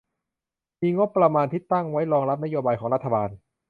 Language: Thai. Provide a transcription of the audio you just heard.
มีงบประมาณที่ตั้งไว้รองรับนโยบายของรัฐบาล